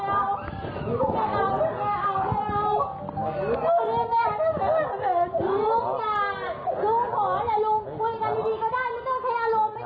อย่าทำอย่าทำ